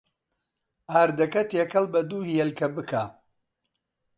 ئاردەکە تێکەڵ بە دوو هێلکە بکە.